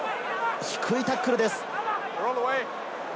低いタックルです。